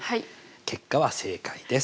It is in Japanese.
結果は正解です。